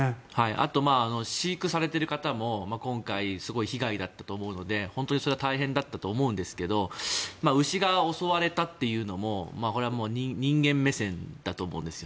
あと飼育されている方も今回すごい被害だったと思うのでそれは大変だったと思うんですが牛が襲われたというのもこれはもう、人間目線だと思うんです。